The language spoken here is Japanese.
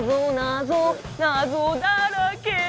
謎謎だらけ